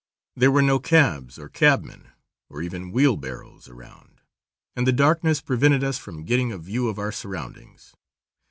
There were no cabs or cabmen, or even wheelbarrows around, and the darkness prevented us from getting a view of our surroundings.